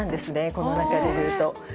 この中でいうと。